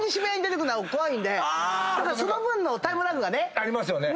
その分のタイムラグがね。ありますよね。